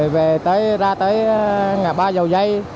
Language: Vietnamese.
về tới ra tới ngã ba dầu dây